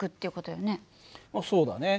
そうだね。